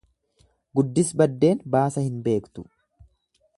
Guddis baddeen baasa hin beektu.